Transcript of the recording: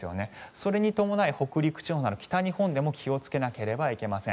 それに伴い、北陸地方など北日本でも気をつけなければなりません。